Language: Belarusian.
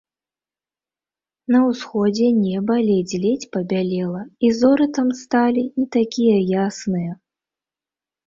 На ўсходзе неба ледзь-ледзь пабялела, і зоры там сталі не такія ясныя.